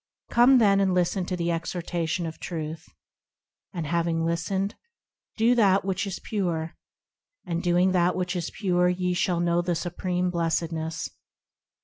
Come, then, and listen to the exhortation of Truth, And, having listened, do that which is pure, And doing that which is pure ye shall know the supreme blessedness.